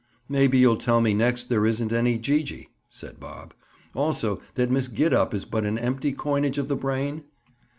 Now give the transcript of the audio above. "Maybe you'll tell me next there isn't any Gee gee," said Bob. "Also, that Miss Gid up is but an empty coinage of the brain?"